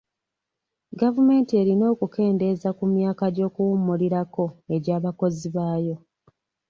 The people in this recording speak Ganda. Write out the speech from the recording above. Gavumenti erina okukendeeza ku myaka gy'okuwummulirako agy'abakozi baayo.